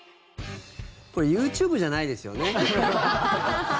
これ、ＹｏｕＴｕｂｅじゃないですよね？